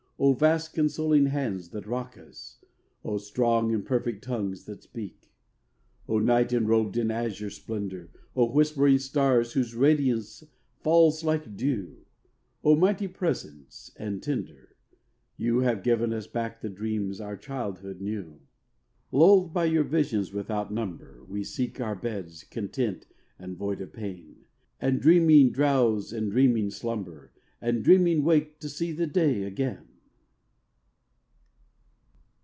O vast consoling hands that rock us! O strong and perfect tongues that speak! O night enrobed in azure splendour! O whispering stars whose radiance falls like dew! O mighty presences and tender, You have given us back the dreams our childhood knew! Lulled by your visions without number, We seek our beds content and void of pain, And dreaming drowse and dreaming slumber And dreaming wake to see the day again.